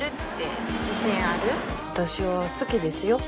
私は好きですよ。